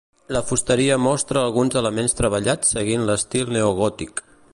La fusteria mostra alguns elements treballats seguint l’estil neogòtic.